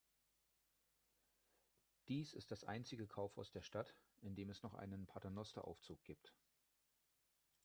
Dies ist das einzige Kaufhaus der Stadt, in dem es noch einen Paternosteraufzug gibt.